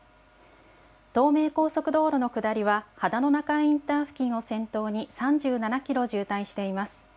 東名高速道路の下りは秦野中井インター付近を先頭に３７キロ渋滞しています。